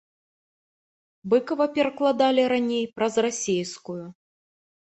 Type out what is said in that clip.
Быкава перакладалі раней праз расейскую.